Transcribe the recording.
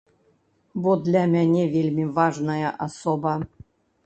Бо для мяне вельмі важная асоба.